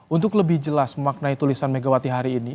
untuk lebih jelas memaknai tulisan megawati hari ini